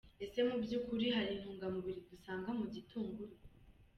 Ese mu by'ukuri hari intungamubiri dusanga mu gitunguru?.